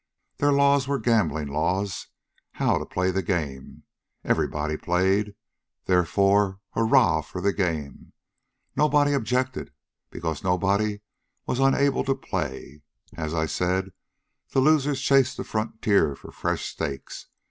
Their laws were gambling laws how to play the game. Everybody played. Therefore, hurrah for the game. Nobody objected, because nobody was unable to play. As I said, the losers chased the frontier for fresh stakes.